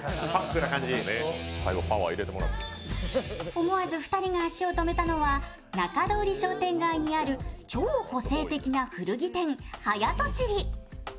思わず２人が足を止めたのは中通り商店街にある超個性的な古着店、はやとちり。